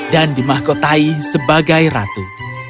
dan dimahkotai sebagai ratu